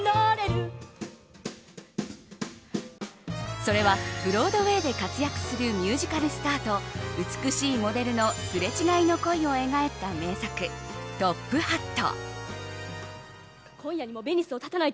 それは、ブロードウェイで活躍するミュージカルスターと美しいモデルのすれ違いの恋を描いた名作ＴＯＰＨＡＴ。